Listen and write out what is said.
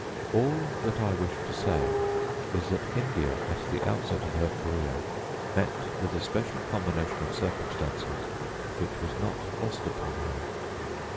All that I wish to say is that India at the outset of her career met with a special combination of circumstances which was not lost upon her.